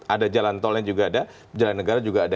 ada jalan tolnya juga ada jalan negara juga ada